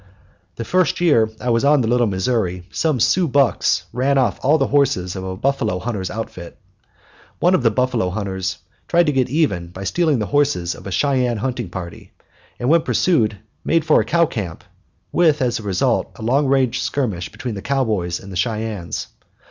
The first year I was on the Little Missouri some Sioux bucks ran off all the horses of a buffalo hunter's outfit. One of the buffalo hunters tried to get even by stealing the horses of a Cheyenne hunting party, and when pursued made for a cow camp, with, as a result, a long range skirmish between the cowboys and the Cheyennes.